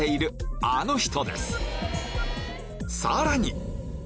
さらに！